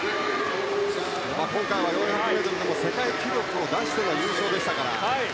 今回は４００ｍでも世界記録を出しての優勝でしたから。